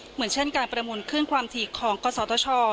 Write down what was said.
เหมือนเช่นการประมูลขึ้นความถี่ของกศตช